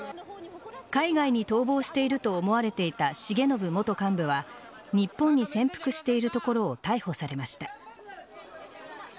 海外に逃亡していると思われていた重信元幹部は日本に潜伏しているところを逮捕されました。